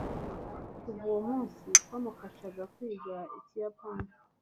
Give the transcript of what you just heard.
Kuva uwo munsi twamufashaga kwiga Ikiyapani